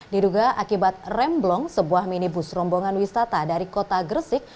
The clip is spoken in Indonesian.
diduga akibat remblong sebuah minibus rombongan wisata dari kota gresik